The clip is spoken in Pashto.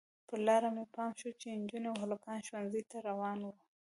پر لاره مې پام شو چې نجونې او هلکان ښوونځیو ته روان وو.